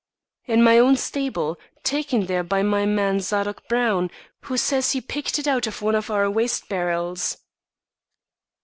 "In my own stable, taken there by my man Zadok Brown, who says he picked it out of one of our waste barrels."